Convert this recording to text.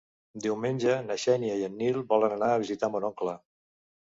Diumenge na Xènia i en Nil volen anar a visitar mon oncle.